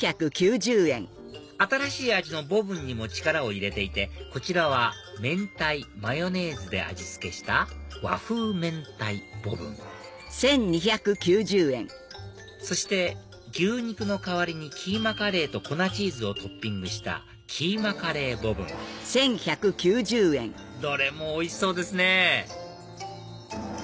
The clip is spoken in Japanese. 新しい味のボブンにも力を入れていてこちらは明太マヨネーズで味付けした和風明太ボブンそして牛肉の代わりにキーマカレーと粉チーズをトッピングしたキーマカレーボブンどれもおいしそうですね！